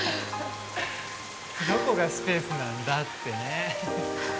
どこがスペースなんだってね。